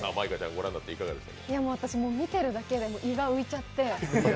私、見てるだけで胃が浮いちゃって。